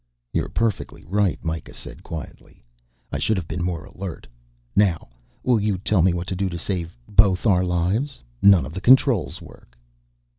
"You're perfectly right," Mikah said quietly. "I should have been more alert. Now will you tell me what to do to save both our lives. None of the controls work."